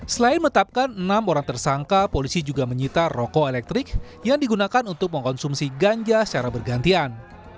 selain menetapkan enam orang tersangka polisi juga menyita rokok elektrik yang digunakan untuk mengkonsumsi ganja secara bergantian